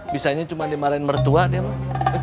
bisanya cuma dimalain mertua dia mah